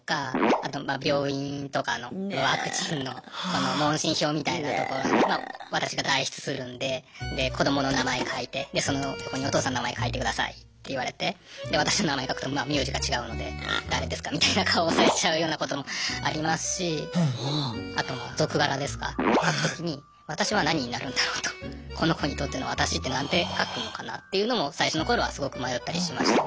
あとまあ病院とかのワクチンの問診票みたいなところに私が代筆するんでで子どもの名前書いてでその横にお父さんの名前書いてくださいって言われてで私の名前書くとまあ名字が違うので誰ですかみたいな顔をされちゃうようなこともありますしあとは続柄ですか書くときに私は何になるんだろうとこの子にとっての私って何て書くのかなっていうのも最初の頃はすごく迷ったりしましたね。